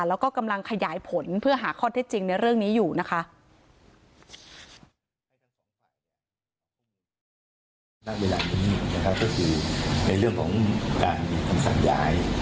แล้วก็กำลังขยายผลเพื่อหาข้อเท็จจริงในเรื่องนี้อยู่นะคะ